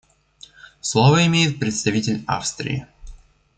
Слово имеет представитель Австрии.